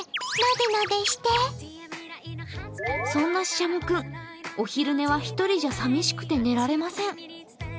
そんなししゃも君お昼寝は１人じゃ寂しくて眠れません。